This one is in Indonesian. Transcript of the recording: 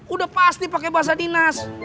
udah pasti pakai bahasa dinas